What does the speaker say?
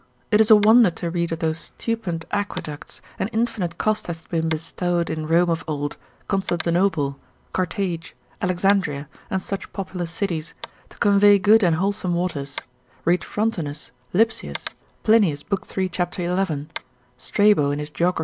It is a wonder to read of those stupend aqueducts, and infinite cost hath been bestowed in Rome of old, Constantinople, Carthage, Alexandria, and such populous cities, to convey good and wholesome waters: read Frontinus, Lipsius de admir. Plinius, lib. 3. cap. 11, Strabo in his Geogr.